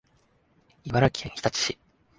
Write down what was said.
茨城県日立市